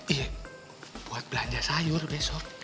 iya buat belanja sayur besok